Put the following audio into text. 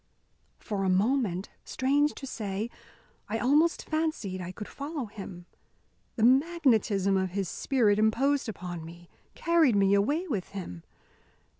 For a moment, strange to say, I almost fancied could follow him. The magnetism of his spirit imposed upon me, carried me away with him.